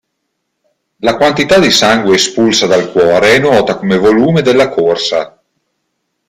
La quantità di sangue espulsa dal cuore è nota come volume della corsa.